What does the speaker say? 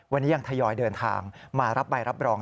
วันนี้ยังทยอยเดินทางมารับใบรับรอง